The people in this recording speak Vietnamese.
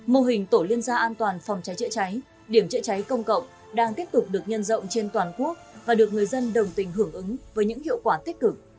mô hình tổ liên gia an toàn phòng cháy chữa cháy điểm chữa cháy công cộng đang tiếp tục được nhân rộng trên toàn quốc và được người dân đồng tình hưởng ứng với những hiệu quả tích cực